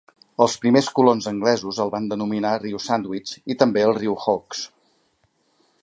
Els primers colons anglesos el van denominar "riu Sandwich" i també el "riu Hawkes".